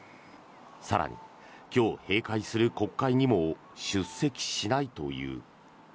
更に、今日閉会する国会にも出席しないという。